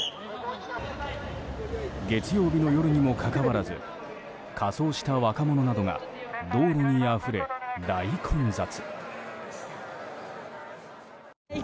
月曜日の夜にもかかわらず仮装した若者などが道路にあふれ大混雑。